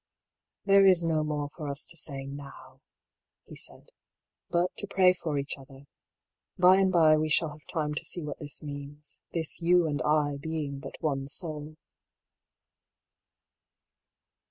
" There is no more for us to say wow," he said, " but to pray for each other. By and by we shall have time to see what this means — this you and I being but one soul."